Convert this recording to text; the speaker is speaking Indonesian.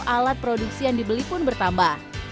alat produksi yang dibeli pun bertambah